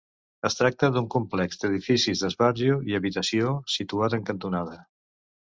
Es tracta d'un complex d'edificis d'esbarjo i habitació, situat en cantonada.